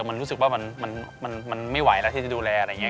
มันรู้สึกว่ามันไม่ไหวแล้วที่จะดูแลอะไรอย่างนี้